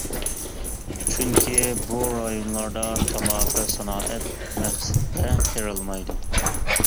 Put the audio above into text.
چۈنكى، بۇ رايونلاردا تاماكا سانائەت مەقسىتىدە تېرىلمايدۇ.